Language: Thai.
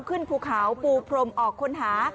ภูเขาปูพรมออกค้นหา